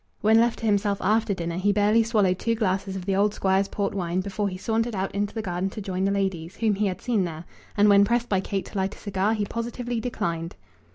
When left to himself after dinner he barely swallowed two glasses of the old Squire's port wine before he sauntered out into the garden to join the ladies, whom he had seen there; and when pressed by Kate to light a cigar he positively declined.